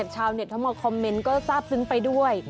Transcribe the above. ชาวเน็ตเข้ามาคอมเมนต์ก็ทราบซึ้งไปด้วย